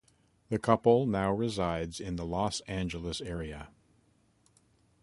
The couple now resides in the Los Angeles area.